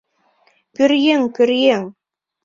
— Пӧръеҥ, пӧръеҥ!